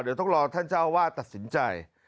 เดี๋ยวต้องรอท่านเจ้าวาดตัดสินใจ